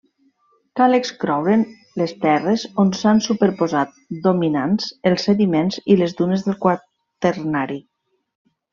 Cal excloure'n les terres on s’han superposat, dominants, els sediments i les dunes del Quaternari.